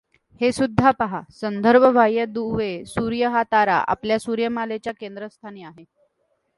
हेसुद्धा पाहा संदर्भ बाह्य दुवे सूर्य हा तारा आपल्या सूर्यमालेच्या केंद्रस्थानी आहे.